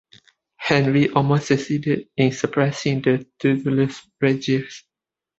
Henry almost succeeded in suppressing the "Titulus Regius".